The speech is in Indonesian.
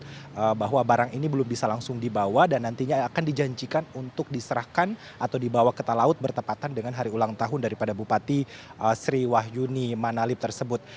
informasi bahwa barang ini belum bisa langsung dibawa dan nantinya akan dijanjikan untuk diserahkan atau dibawa ke talaut bertepatan dengan hari ulang tahun daripada bupati sri wahyuni manalip tersebut